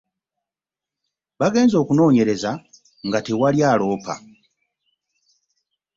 Baagenze okunoonyereza nga tewali aloopa.